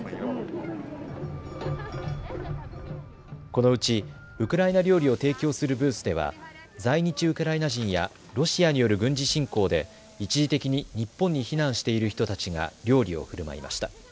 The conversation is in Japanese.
このうちウクライナ料理を提供するブースでは在日ウクライナ人やロシアによる軍事侵攻で一時的に日本に避難している人たちが料理をふるまいました。